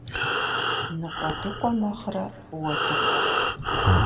Ныкъуэдыкъуэ нэхърэ уэдыкъуа.